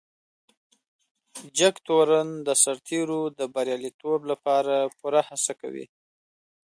جګتورن د سرتیرو د بريالیتوب لپاره پوره هڅه کوي.